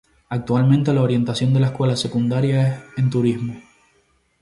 Actualmente la orientación de la escuela secundaria es en Turismo.